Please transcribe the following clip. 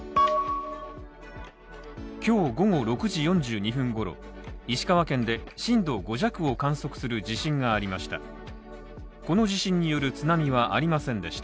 今日午後６時４２分ごろ石川県で震度５弱を観測する地震がありました。